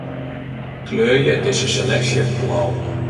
Kleurje dizze seleksje blau.